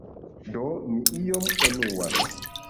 Do mi iom enuas.